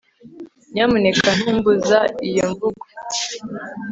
Nyamuneka ntumbuza iyo mvuga